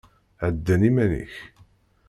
Hedden iman-ik!